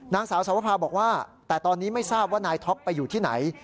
นางสาวสวภาบอกว่าแต่ตอนนี้ไม่ทราบว่านายท็อปไปอยู่ที่ไหน